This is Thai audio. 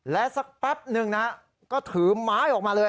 และสักแป๊บนึงนะก็ถือไม้ออกมาเลย